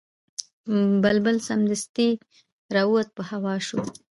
بلبل سمدستي را ووت په هوا سو